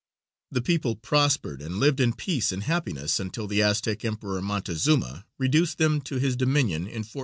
The people prospered and lived in peace and happiness until the Aztec Emperor Montezuma reduced them to his dominion in 1457.